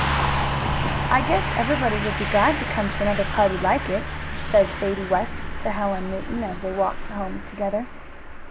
"I guess everybody would be glad to come to another party like it," said Sadie West to Helen Newton, as they walked home together.